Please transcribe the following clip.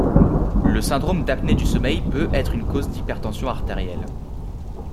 Le syndrome d'apnées du sommeil peut être une cause d'hypertension artérielle.